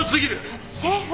ちょっとシェフ。